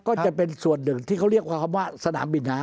ก็จะเป็นส่วนหนึ่งที่เขาเรียกว่าคำว่าสนามบินฮะ